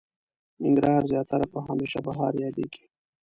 ننګرهار زياتره په هميشه بهار ياديږي.